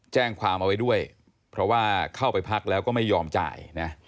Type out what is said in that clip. แจ้งความเอาไว้ด้วยเพราะว่าเข้าไปพักแล้วก็ไม่ยอมจ่ายนะ